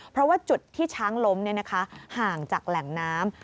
เพราะว่าจุดที่ช้างล้มห่างจากแหล่งน้ำ